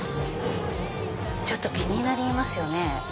ちょっと気になりますよね。